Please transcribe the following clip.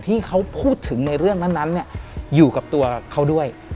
ที่เขาพูดถึงในเรื่องนั้นอยู่กับตัวเขาด้วย